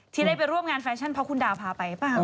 ที่ได้ไปร่วมงานแฟชั่นเพราะคุณดาวพาไปหรือเปล่า